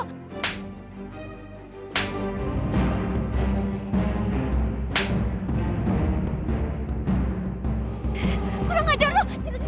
gue udah ngajar lo